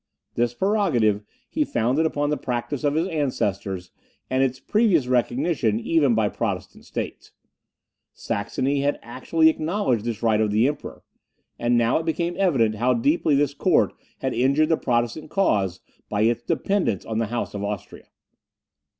This prerogative he founded upon the practice of his ancestors, and its previous recognition even by Protestant states. Saxony had actually acknowledged this right of the Emperor; and it now became evident how deeply this court had injured the Protestant cause by its dependence on the House of Austria.